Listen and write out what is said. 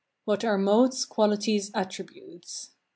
What are modes, qualities, attributes.